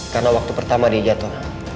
karena waktu pertama dia jatuh